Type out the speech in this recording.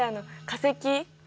化石！？